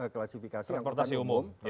klasifikasi angkutan umum